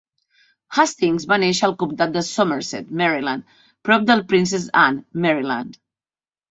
Hastings va néixer al comtat de Somerset, Maryland, prop de Princess Anne, Maryland.